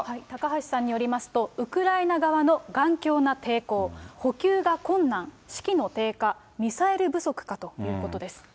高橋さんによりますと、ウクライナ側の頑強な抵抗、補給が困難、士気の低下、ミサイル不足かということです。